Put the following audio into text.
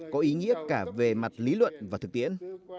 có ý nghĩa cả về mặt lý luận và thực tiễn